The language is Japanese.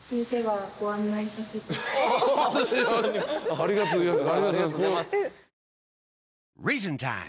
ありがとうございます。